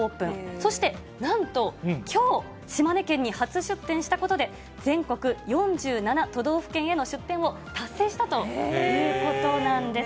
そしてなんときょう、島根県に初出店したことで、全国４７都道府県への出店を達成したということなんです。